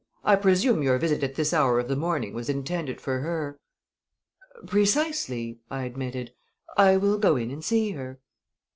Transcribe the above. "I presume your visit at this hour of the morning was intended for her." "Precisely," I admitted. "I will go in and see her."